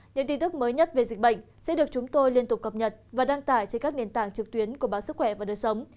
những tin tức mới nhất về dịch bệnh sẽ được chúng tôi liên tục cập nhật và đăng tải trên các nền tảng trực tuyến của báo sức khỏe và đời sống